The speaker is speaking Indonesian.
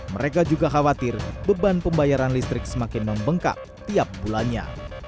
mereka juga khawatir beban pembayaran listrik semakin membengkak tiap bulannya